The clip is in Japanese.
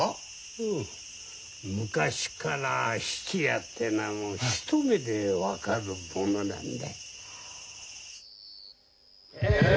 うん昔から質屋ってのは一目で分かるものなんだ。